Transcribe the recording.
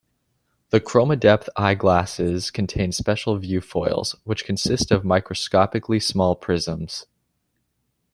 The ChromaDepth eyeglasses contain special view foils, which consist of microscopically small prisms.